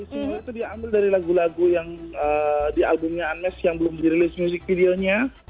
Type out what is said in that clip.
semuanya itu diambil dari lagu lagu yang di albumnya unmes yang belum dirilis music videonya